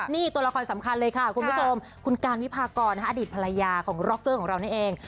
นี่ตัวละครสำคัญเลยค่ะคุณผู้ชมคุณการวิพากรอดีตภรรยาของร็อกเกอร์ของเรานี่เอง